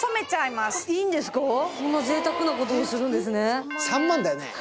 こんなぜいたくなことをするんですね。